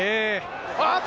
あっと！